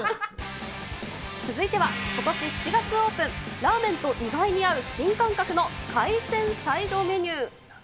続いてはことし７月オープン、ラーメンと意外に合う新感覚の海鮮サイドメニュー。